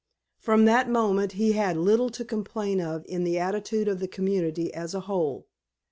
From that moment he had little to complain of in the attitude of the community as a whole.